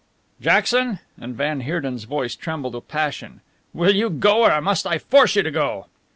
"Jackson!" and van Heerden's voice trembled with passion "will you go or must I force you to go?"